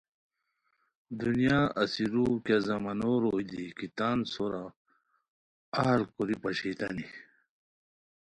دنیا اسیرو کیہ زمانو روئے دی کی تان سورو اہل کوری پاشئیتانی